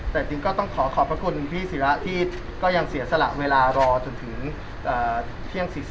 แต่จริงก็ต้องขอขอบพระคุณพี่ศิระที่ก็ยังเสียสละเวลารอจนถึงเที่ยง๔๐